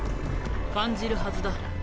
感じるはずだ。